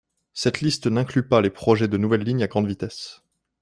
Cette liste n'inclut pas les projets de nouvelles lignes à grande vitesse.